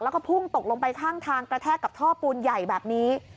แล้วก็พุ่งตกลงไปข้างทางกระแทกกับท่อปูนใหญ่แบบนี้